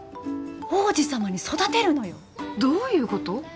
王子様に育てるのよどういうこと？